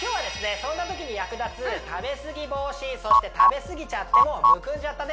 そんなときに役立つ食べ過ぎ防止そして食べ過ぎちゃってもむくんじゃったね